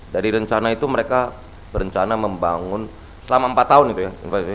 jadi rencana itu mereka berencana membangun selama empat tahun itu ya